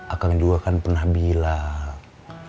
akang dua kan pernah bilang